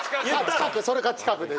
それか近くで。